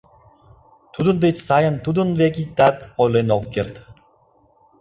Тудын деч сайын тудын век иктат ойлен ок керт.